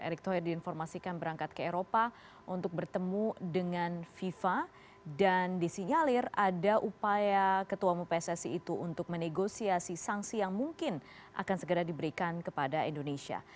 erick thohir diinformasikan berangkat ke eropa untuk bertemu dengan fifa dan disinyalir ada upaya ketua umum pssi itu untuk menegosiasi sanksi yang mungkin akan segera diberikan kepada indonesia